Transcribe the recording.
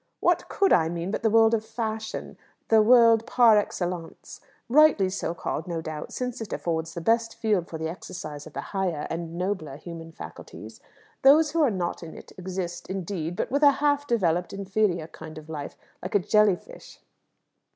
"What could I mean but the world of fashion, the world par excellence? Rightly so called, no doubt, since it affords the best field for the exercise of the higher and nobler human faculties. Those who are not in it exist, indeed; but with a half developed, inferior kind of life, like a jelly fish."